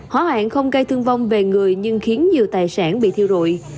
hỏa hoạn không gây thương vong về người nhưng khiến nhiều tài sản bị thiêu rụi